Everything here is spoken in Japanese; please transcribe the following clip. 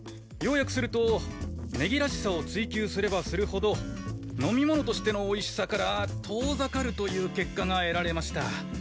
要約するとネギらしさを追求すればするほど飲み物としての美味しさから遠ざかるという結果が得られました。